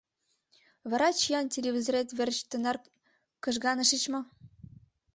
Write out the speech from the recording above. Вара чиян телевизорет верч тынар кыжганышыч мо?